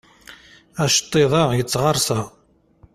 Aceṭṭiḍ-a yettɣersa.